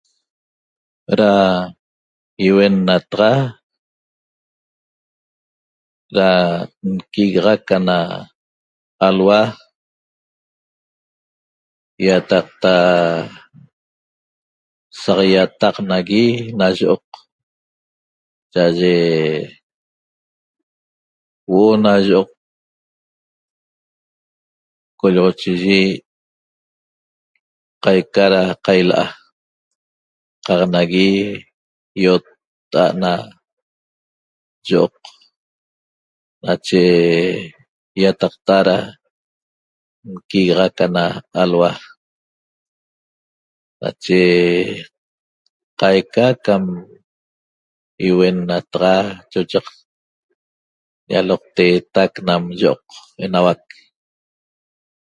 Da ýiunnataxa da nquigaxac ana alhua ýataqta saq ýataq nagui na yioq cha'aye huo'o na yioq co'olloxochiyi qaica da qaila'a qaq nagui ýiotta'a't na yioq nache ýataqta da nquigaxac ana alhua nache qaica cam ýiuennata chochaq ñaloqteetac nam yioq enauac